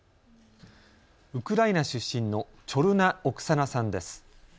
ウクライナ出身のチョルナ・オクサナさんです。